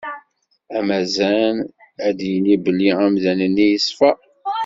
Amazan ad yini belli amdan-nni yeṣfa.